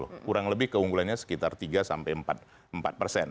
kurang lebih keunggulannya sekitar tiga sampai empat persen